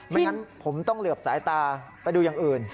งั้นผมต้องเหลือบสายตาไปดูอย่างอื่น